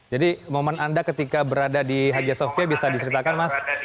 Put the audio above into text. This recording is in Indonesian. jadi momen anda ketika berada di hagia sofia bisa diseritakan mas